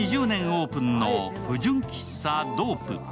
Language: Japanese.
オープンの不純喫茶ドープ。